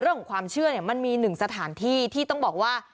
เรื่องของความเชื่อมันมี๑สถานที่ที่ต้องบอกว่า